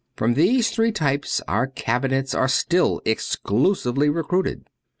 From these three types our Cabinets are still exclusively re cruited.